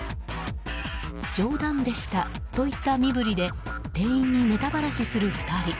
冗談でしたといった身振りで店員にネタばらしする２人。